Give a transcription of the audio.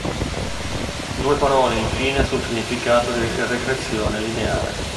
Due parole infine sul significato di regressione "lineare".